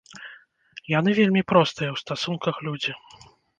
Яны вельмі простыя ў стасунках людзі.